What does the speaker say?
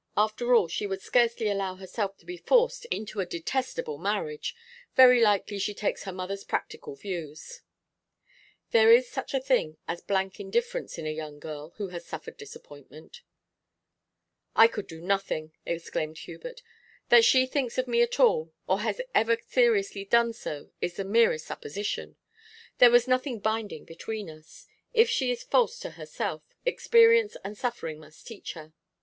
After all she would scarcely allow herself to be forced into a detestable marriage. Very likely she takes her mother's practical views.' 'There is such a thing as blank indifference in a young girl who has suffered disappointment.' 'I could do nothing,' exclaimed Hubert. 'That she thinks of me at all, or has ever seriously done so, is the merest supposition. There was nothing binding between us. If she is false to herself, experience and suffering must teach her.